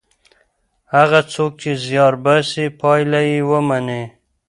هغه څوک چې زیار باسي پایله یې ویني.